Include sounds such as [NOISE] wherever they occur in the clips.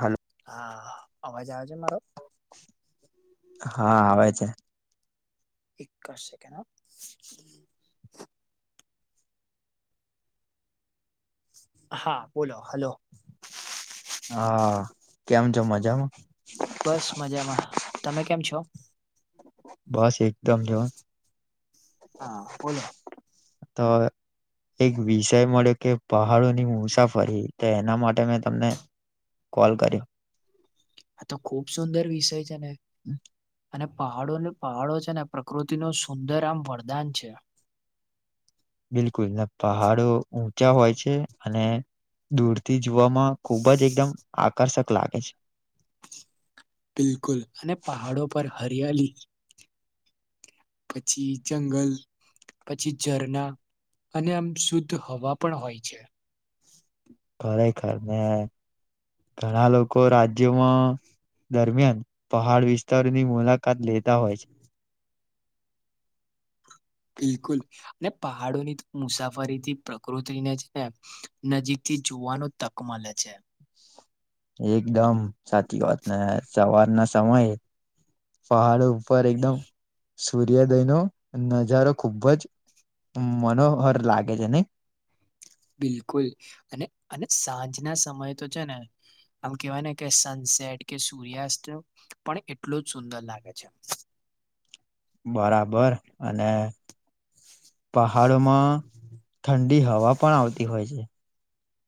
Hello હા અવાજ આવે છે મારો હા આવે છે એક સેકેંડ હ હા બોલો હલો હા કેમ છો મજામાં? બસ મજામાં તમે કેમ છો? બસ એકદમ હા બોલો તો એક વિષય મળ્યો કે પહાડોની મુસાફરી તો એના માટે મેં તમને કોલ કર્યો આ તો ખુબ સુંદર વિષય છે ને અને પહાડોને પહાડો છે ને પ્રકૃતિ નો સુંદર આમ વરદાન છે બિલકુલ ને પહાડો ઊંચા હોય છે અને દૂરથી જોવામાં ખૂબ જ એકદમ આકર્ષક લાગે છે બિલકુલ અને પહાડો પર હરિયાલી પછી જંગલ પછી ઝરણા અને આમ શુદ્ધ હવા પણ હોય છે ખરેખર ને ઘણા લોકો રાજ્યમાં દરમિયાન પહાડ વિસ્તારની મુલાકાત લેતા હોય [INAUDIBLE] બિલકુલ ને પહાડોની મુસાફરીથી પ્રકૃતિને છે ને નજીકથી જોવાનું તક મલે છે એકદમ સાચી વાત ને સવારના સમય પહાડું પર એકદમ સૂર્યોદયનો નજારો ખુબ જ અં મનોહર લાગે છે નઈ? બિલકુલ અને અને સાંજના સમયે તો છે ને આમ કેવાય ને કે સન સેટ કે સૂર્યાસ્ત પણ એટલો જ સુંદર લાગે છે. બરાબર અને પહાડોમાં થંડી હવા પણ આવતી હોય છે.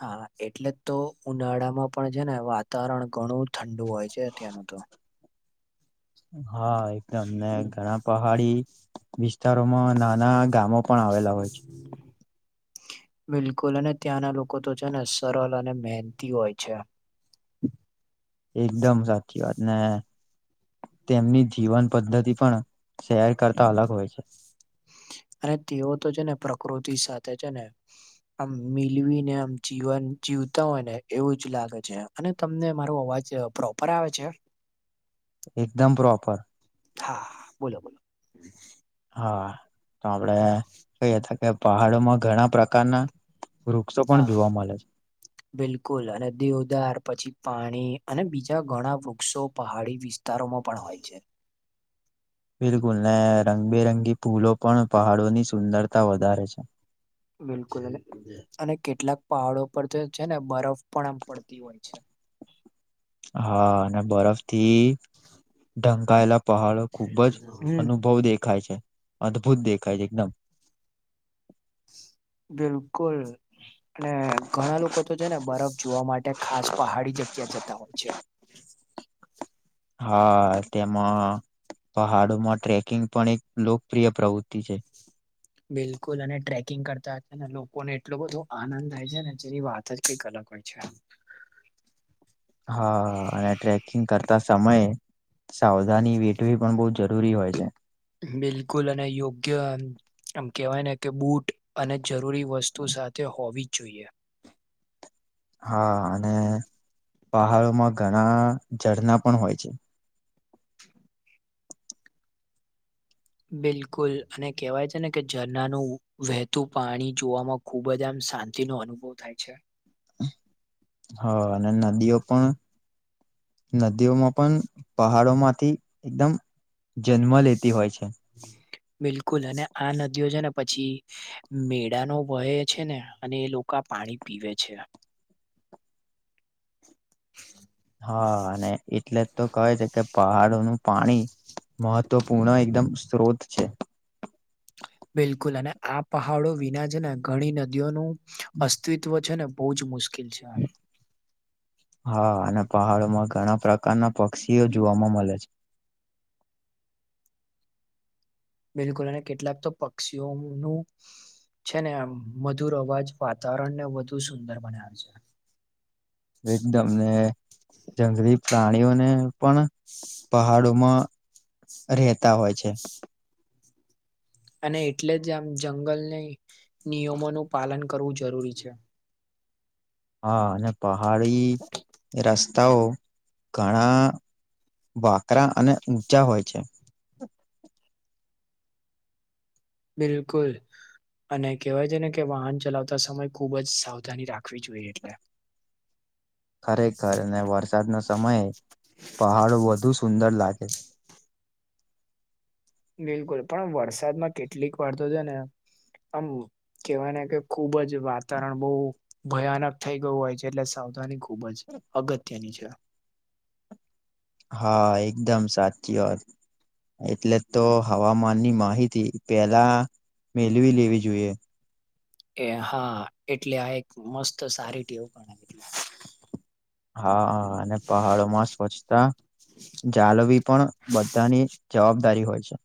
હા એટલે જ તો ઉનાળામાં પણ છે ને વાતાવરણ ઘણું થંડુ હોય છે ત્યાંનું તો હા એકદમ ને ઘણા પહાડી વિસ્તારોમાં નાના ગામો પણ આવેલા હોય છે. બિલકુલ અને ત્યાંના લોકો તો છે ને સરલ અને મેહનતી હોય છે. [INAUDIBLE] એકદમ સાચી વાત ને તેમની જીવન પદ્ધતિ પણ શહેર કરતા અલગ હોય છે. અને તેઓ તો છે ને પ્રકૃતિ સાથે છે ને આમ મિલવીને આમ જીવન જીવતા હોય ને એવું જ લાગે છે અને તમને મારો અવાજ પ્રોપર આવે છે? એકદમ પ્રોપર. હા બોલો, બોલો. હા તો આપડે કઈ અતા કે પહાડોમાં ઘણા પ્રકારના વૃક્ષો પણ હા જોવા મળે બિલકુલ અને દેવદાર પછી પાણી અને બીજા ઘણા વૃક્ષો પહાડી વિસ્તારોમાં પણ હોય છે. બિલકુલ ને રંગબેરંગી ફૂલો પણ પહાડોની સુંદરતા વધારે છે. બિલકુલ અને કેટલાક પહાડો પર જે છે ને બરફ પણ આમ પડતી હોય છે. હા અને બરફ થી ઢંકાયેલા પહાડો ખુબ જ હમ. અનુભવ દેખાય છે. અદ્દભૂત દેખાય છે એકદમ બિલકુલ અને ઘણા લોકો તો છે ને બરફ જોવા માટે ખાસ પહાડી જગ્યા જતા હોય છે. હા તેમાં પહાડોમાં ટ્રેકિંગ પણ એક લોકપ્રિય પ્રવુત્તિ છે. બિલકુલ અને ટ્રેકિંગ કરતા અને લોકોને એટલો બધો આનંદ થાય છે ને જેની વાત જ કંઈક અલગ [UNINTELLIGIBLE] [INAUDIBLE] હા અને ટ્રેકિંગ કરતા સમયે સાવધાની વેઠવી પણ બઉ જરૂરી હોય છે. બિલકુલ અને યોગ્ય આમ કેહવાય ને કે બૂટ અને જરૂરી વસ્તુ સાથે હોવી જ જોઈએ. હા અને પહાડોમાં ઘણા ઝરના પણ હોય છે. બિલકુલ અને કેહવાય છે ને કે ઝરનાનું વહેતું પાણી જોવામાં ખુબ જ આમ શાંતિનો અનુભવ થાય છે. હા અને નદીઓ પણ નદીઓમાં પન પહાડો માંથી એકદમ જન્મ લેતી હોય છે. [INAUDIBLE] બિલકુલ અને આ નદીઓ છે ને પછી મેડાનો ભય છે ને અને એ લોકા પાણી પીવે છે. [INAUDIBLE] હા અને એટલે જ તો કહે છે કે પહાડોનું પાણી મહત્વપૂર્ણ એકદમ સ્ત્રોત છે. બિલકુલ અને આ પહાડો વિના છે ને ઘણી નદીઓનું અસ્તિત્વ છે ને બો જ મુશ્કિલ છે [UNINTELLIGIBLE] હા અને પહાડોમાં ઘણા પ્રકારના પક્ષીઓ જોવાવામાં મલે છે. બિલકુલ અને કેટલાક તો પક્ષીઓનું છે ને મધુર અવાજ વાતાવરણને વધુ સુંદર બનાવે છે એકદમને જંગલી પ્રાણીઓને પણ પહાડોમાં રહેતા હોય છે અને એટલે જ આમ જંગલને નિયમોનું પાલન કરવું જરૂરી છે હા અને પહાડી રસ્તાઓ ઘણા વાકરા અને ઊંચા હોય છે બિલકુલ અને કહેવાય છે ને કે વાહન ચલાવતા સમય ખૂબ જ સાવધાની રાખવી જોઈએ એટલે [INAUDIBLE] ખરેખર અને વરસાદના સમયે પહાડો વધુ સુંદર લાગે બસ બિલકુલ પણ વરસાદમાં કેટલીક વારતો છે ને આમ કેવાય ને કે ખુબ જ વાતાવરણ બહુ ભયાનક થઈ ગયું હોય છે એટલે સાવધાની ખૂબ ખુબ જ અગત્યની છે હા એકદમ સાચી વાત. એટલે તો હવામાનની માહિતી પેલા. મેલવી લેવી જોઈએ એ હા એટલે આ એક મસ્ત સારી ટેવ ગણાય. એટલે. હા હા અને પહાડો માં સ્વચ્છતા. જાડવી પણ બધાની જવાબદારી હોય છે.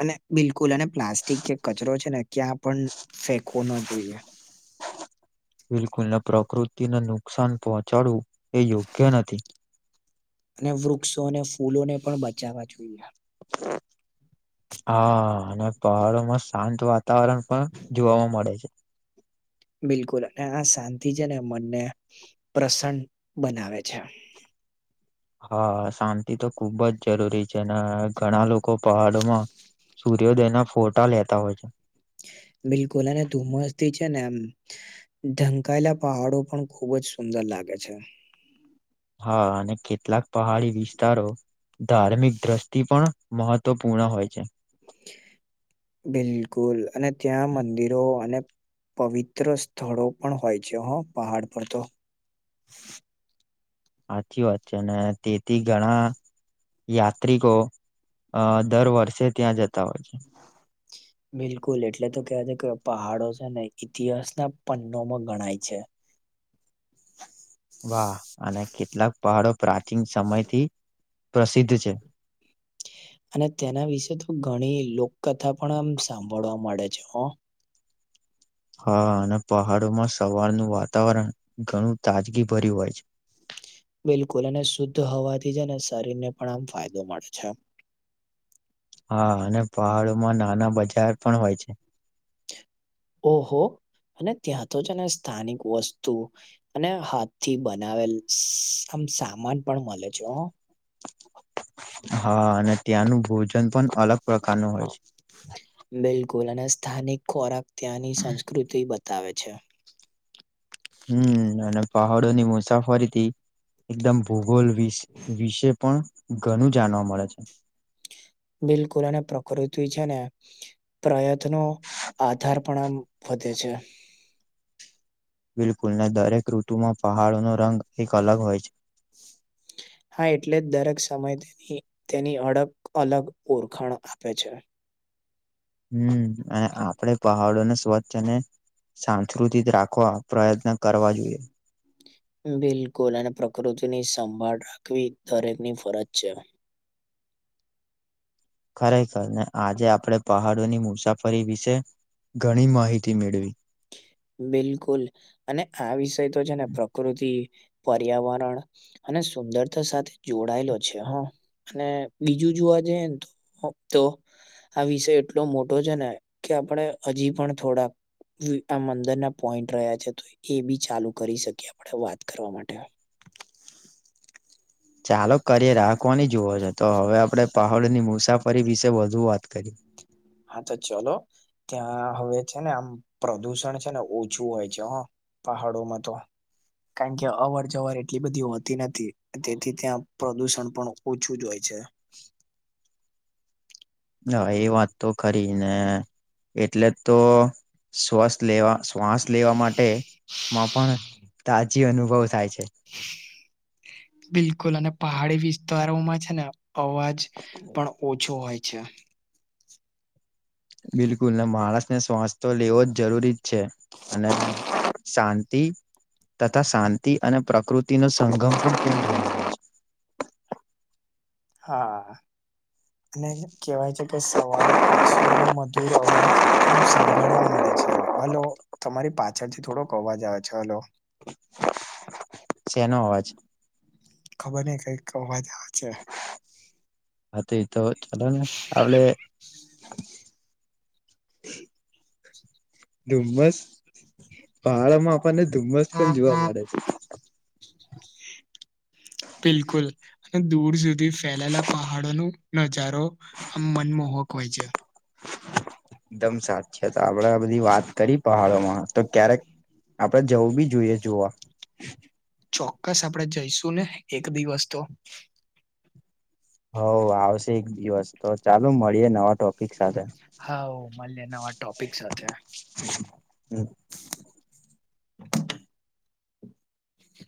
અને બિલકુલ અને પ્લાસ્ટિક કે કચરો છે ને ક્યાં પણ ફેકું. ન જોઈએ બિલકુલને પ્રકૃતિને નુકસાન પહોંચાડવું એ યોગ્ય નથી. અને વૃક્ષો અને ફૂલો ને પણ બચાવવા જોઈએ. હા અને પહાડોમાં શાંત વાત. વાતાવરણ પણ જોવાવામાં મળે છે બિલકુલ અને આ શાંતિ છે ને મનને પ્રસન્ન બનાવે છે [INAUDIBLE] હા શાંતિ તો ખુબ જ જરૂરી છે ને ઘણા લોકો પહાડમાં સૂર્યોદયના ફોટા લેતા હોય છે. બિલકુલ અને ધુમસ થી છે ને એમ ઢંકાયેલા પહાડો પણ ખુબ જ સુંદર લાગે લાગે છે. હા અને કેટલાક પહાડી વિસ્તારો ધાર્મિક દ્રષ્ટિ પણ મહત્વપૂર્ણ હોય છે. બિલકુલ અને ત્યાં મંદિરો અને. પવિત્ર સ્થળો પણ હોય જે હો પહાડ પર તો [INAUDIBLE] સાચી વાત છે તેથી ઘણા. યાત્રિકો અ દર વર્ષે ત્યાં જતા હોય છે બિલકુલ એટલે તો કેહેવા છે કે પહાડો છે ને ઈતિહાસના પનોમાં ગણાય છે [INAUDIBLE] વાહ અને કેટલાક પહાડો પ્રાચીન સમયથી પ્રસિદ્ધ છે. અને તેના વિશે તો ઘણી લોકકથા પણ આમ સાંભળવા મળે છે. હા અને પહાડોમાં સવારનું વાતાવરણ ઘણું તાજગી ભર્યું હોય છે. [INAUDIBLE] બિલકુલ અને શુદ્ધ હોવાથી જ અને શરીરને પણ આમ ફાયદો મળે છે હા અને પહાડોમાં નાના બજાર પણ હોય છે ઓહો અને ત્યાં તો જ ને સ્થાનિક વસ્તુ અને હાથી બનાવેલ સામાન પણ મળે છે હો. હા અને ત્યાંનું ભોજન પણ અલગ પ્રકાર નું હોય બિલકુલ અને સ્થાનિક ખોરાક ત્યાંની સંસ્કૃતિ બ તાવે છે. હમ્મ અને પહાડો ની મુસાફરીથી એકદમ ભૂગોલ વિશ-વિશે પણ ઘણું જાણવા મળે છે. બિલકુલ અને પ્રકૃતિ છે ને પ્રયત્નો આધાર પણ આમ વધે છે. બિલકુલ ને દરેક ઋતુમાં પહાડોનો રંગ એક અલગ હોય હા એટલે જ દરેક સમયે તેની તેની અડગ અલગ ઓળખાણ આપે છે. હમ્મ અને આપડે પહાડોને સ્વચ્છ અને સાંસ્કૃતિક રાખવા પ્રયત્ન કરવા જોઈએ. બિલકુલ અને પ્રકૃતિની સંભાળ રાખવી દરેકની ફરજ છે. ખરેખર ને આજે આપડે પહાડોની મુસાફરી વિશે ઘણી માહિતી મેળવી. બિલકુલ અને આ વિષય તો છે ને પ્રકૃતિ પર્યાવરણ અને સુંદરતા સાથે જોડાયેલો છે હા અને બીજું જુઓ વા જયન તો આ વિષય એટલો મોટો છે ને કે આપણે હજી પણ થોડાક જી આ મંદરના પોઈન્ટ રહ્યા છે તો એ બી ચાલુ કરી શકીએ આપણે વાત કરવા માટે. [INAUDIBLE] ચાલો કરીએ રાખવાની જુવઓ છો તો હવે આપણે પહાડોની મુસાફરી વિશે વધુ વાત કરી. હા, તો ચલો ત્યાં હવે છે ને આમ પ્રદુષણ છે ને ઓછું હોય છે હ પહાડોમાં તો. કારણ કે અવર જવર એટલી બધી હોતી નથી તેથી ત્યાં પ્રદુષણ પણ ઓછું જ હોય છે. હા, એ વાત તો ખરી ને એટલે તો શ્વાસ લેવા શ્વાસ લેવા માટે માં પણ તાજી અનુભવ થાય બિલકુલ અને પહાડી વિસ્તારોમાં છે ને અવાજ પણ ઓછો હોય છે. બિલકુલને માણસને શ્વાસ લેવો જ જરૂરી જ છે અને શાંતિ તથા શાંતિ અને પ્રકૃતિ ન સંગમ પણ કેમ [INAUDIBLE] [INAUDIBLE] હા. અને કેહેવાય છે કે સવારે પક્ષીઓ નું મધુર અવાજ આમ સંભાળવા મળે અચ્છા. હલો, તમારી પાછળથી થોડોક અવાજ આવે છે હલો. શેનો અવાજ? ખબર નહીં કઈક અવાજ આવ છે. હા તો એ તો ચાલો ને આપડે [INAUDIBLE] ડુમ્મસ પહાડ માં આપણને ધુમ્મસ પણ જોવા મળે છે. બિલકુલ અને દૂર સુધી ફેલાયેલા પહાડો નું નજારો અમ મનમોહ ઓકવાય ચ. એકદમ સાચે તો આપણેે બધી વાત કરી પહાડોમાં તો ક્યારેક આપડે જવું બી જોઈએ જોવા. ચોક્કસ આપણેે જઈશું ને એક દિવસ તો. હઓ આવશે એક દિવસ તો ચાલો જાણીએ મળીએ નવા ટોપિક સાથે હાઓ માલિયે નવા ટોપિક સાથે.